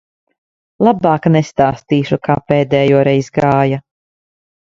Labāk nestāstīšu, kā pēdējoreiz gāja.